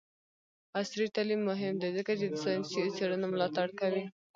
عصري تعلیم مهم دی ځکه چې د ساینسي څیړنو ملاتړ کوي.